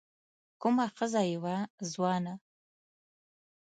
کومه ښځه يې وه ځوانه